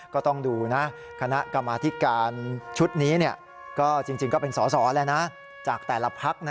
ก็ต้องดูนะคณะกรรมาธิการชุดนี้ก็จริงก็เป็นสอสอแล้วนะจากแต่ละพัก